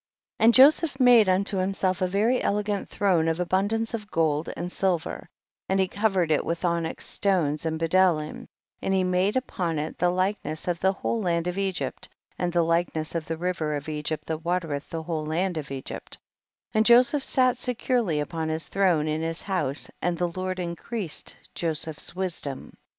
41. And Joseph made mito him self a very elegant throne of abun dance of gold and silver, and he covered it with onyx stones and bdclhum, and he made upon it the likeness of the whole land of Egypt, and the likeness of the river of Egypt that watereth the whole land of Egypt ; and Joseph sat securely upon his throne in his house and the Lord increased Joseph's wisdom.